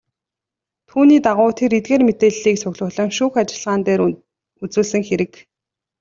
Түүний дагуу тэр эдгээр мэдээллийг цуглуулан шүүх ажиллагаан дээр үзүүлсэн хэрэг.